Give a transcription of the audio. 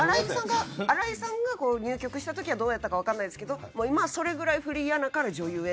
新井さんが入局したときはどうだったかは分からないですけど今はそれくらいフリーアナから女優へ。